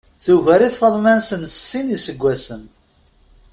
Tugar-it Faḍma-nsen s sin n yiseggasen.